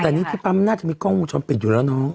แต่นี่ที่ปั๊มน่าจะมีกล้องวงจรปิดอยู่แล้วน้อง